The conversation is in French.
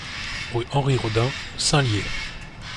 Rue Henri Rodin, Saint-Lyé